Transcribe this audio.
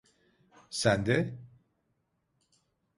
Sende?